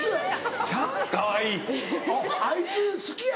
あいつ「好きや」